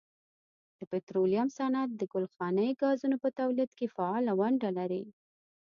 د پټرولیم صنعت د ګلخانهیي ګازونو په تولید کې فعاله ونډه لري.